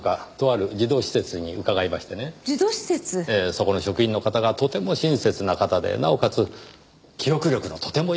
そこの職員の方がとても親切な方でなおかつ記憶力のとてもいい方でした。